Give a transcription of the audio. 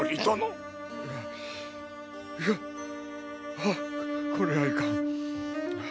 うっこれはいかん。